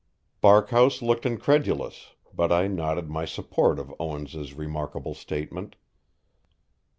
Barkhouse looked incredulous, but I nodded my support of Owens' remarkable statement.